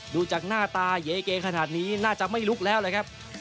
ดูจากหน้าตาเยเกขนาดนี้น่าจะไม่ลุกแล้วเลยครับ